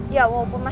ya walaupun masih